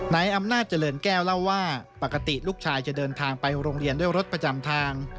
อำนาจเจริญแก้วเล่าว่าปกติลูกชายจะเดินทางไปโรงเรียนด้วยรถประจำทาง